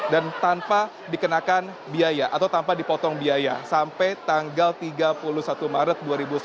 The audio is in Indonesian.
dan tanpa dikenakan biaya atau tanpa dipotong biaya sampai tanggal tiga puluh satu maret dua ribu sembilan belas